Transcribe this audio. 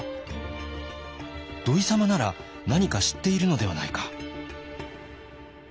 「土井様なら何か知っているのではないか」。